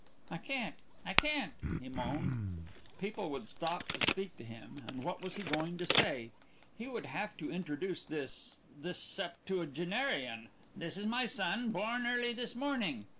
"I can't. I can't," he moaned. People would stop to speak to him, and what was he going to say? He would have to introduce this this septuagenarian: "This is my son, born early this morning."